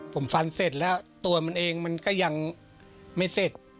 ผมฟันเสร็จแล้วตัวมันเองมันก็ยังไม่เสร็จ